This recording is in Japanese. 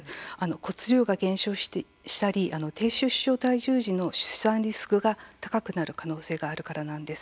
骨量が減少したり低出生体重児の出産リスクが高くなる可能性があるからなんです。